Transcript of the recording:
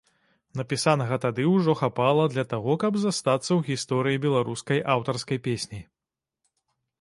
Напісанага тады ўжо хапала для таго, каб застацца ў гісторыі беларускай аўтарскай песні.